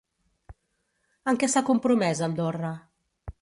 En què s'ha compromès Andorra?